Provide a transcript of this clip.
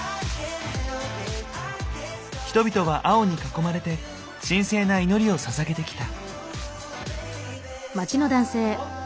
人々は青に囲まれて神聖な祈りをささげてきた。